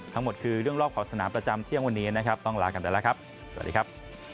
ทั้งหมดคือเรื่องรอบขอบสนามประจำเที่ยงวันนี้นะครับต้องลากันไปแล้วครับสวัสดีครับ